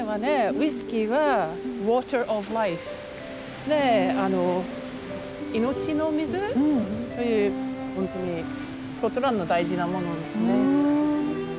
ウイスキーは「ＷａｔｅｒｏｆＬｉｆｅ」で「命の水」という本当にスコットランドの大事なものですね。